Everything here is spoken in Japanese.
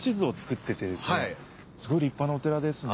すごいりっぱなお寺ですね。